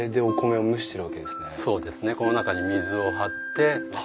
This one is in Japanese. この中に水を張ってはい。